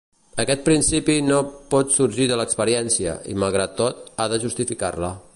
Aquest principi no pot sorgir de l'experiència, i malgrat tot, ha de justificar-la.